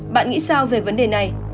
bạn nghĩ sao về vấn đề này